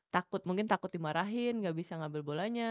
takut mungkin takut dimarahin gak bisa ngambil bolanya